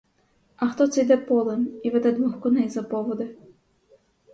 А хто це йде полем і веде двох коней за поводи?